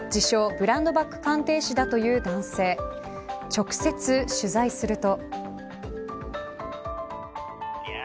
ブランドバッグ鑑定士だという男性直接取材すると。